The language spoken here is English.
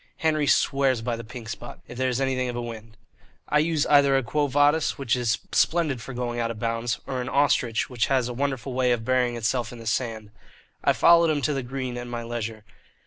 Henry swears by the "Pink Spot" if there is anything of a wind. I use either a "Quo Vadis," which is splendid for going out of bounds, or an "Ostrich," which has a wonderful way of burying itself in the sand. I followed him to the green at my leisure.